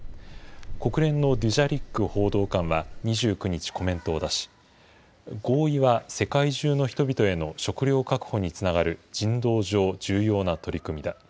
国連のデュジャリック報道官は２９日、コメントを出し、合意は世界中の人々への食料確保につながる人道上、重要な取り組みだ。